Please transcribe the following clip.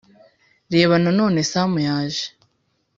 Reba nanone Samu yaje